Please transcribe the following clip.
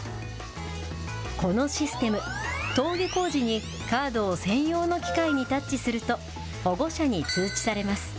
このシステム、登下校時にカードを専用の機械にタッチすると、保護者に通知されます。